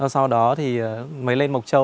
sau đó thì mới lên mục châu